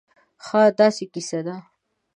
خاا داسې قیصه وه